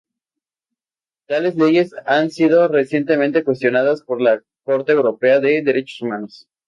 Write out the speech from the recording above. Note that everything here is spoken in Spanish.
Tales leyes han sido recientemente cuestionadas por la Corte Europea de Derechos Humanos.